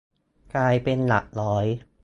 กลายเป็นหลักร้อย